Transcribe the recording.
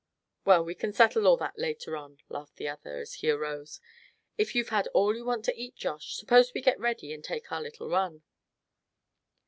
"Well, we can settle all that later on," laughed the other, as he arose; "if you've had all you want to eat, Josh, suppose we get ready to take our little run."